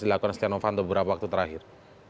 dilakukan steno fanto beberapa waktu terakhir